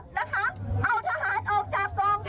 ลูกกองทัพนะครับเอาทหารออกจากกองทัพ